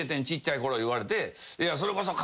ちっちゃいころ」言われて。